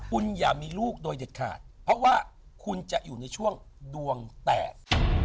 คุณอย่ามีลูกโดยเด็ดขาดเพราะว่าคุณจะอยู่ในช่วงดวงแตก